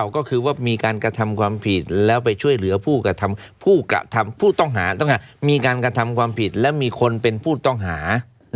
ก็คือว่ามีการกระทำความผิดแล้วไปช่วยเหลือผู้กระทำผู้ต้องหามีการกระทำความผิดและมีคนเป็นผู้ต้องหา